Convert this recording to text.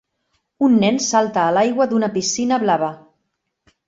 un nen salta a l'aigua d'una piscina blava.